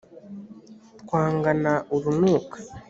twangana urunuka